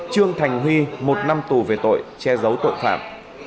trương thành huy một năm tù về tội che giấu tội phạm